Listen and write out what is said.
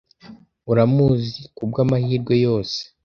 Uramuzi, kubwamahirwe yose?